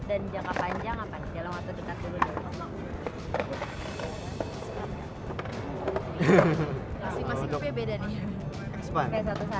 dan jangka panjang apa nih